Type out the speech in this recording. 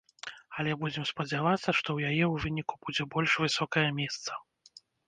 Але будзем спадзявацца, што ў яе ў выніку будзе больш высокае месца.